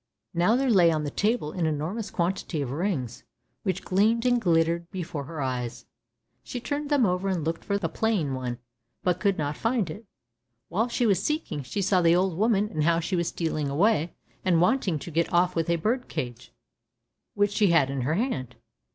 Now there lay on the table an enormous quantity of rings, which gleamed and glittered before her eyes. She turned them over and looked for the plain one, but could not find it. While she was seeking, she saw the old woman and how she was stealing away, and wanting to get off with a bird cage which she had in her hand.